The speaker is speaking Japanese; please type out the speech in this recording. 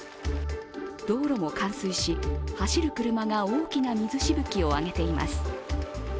道路も冠水し、走る車が大きな水しぶきを上げています。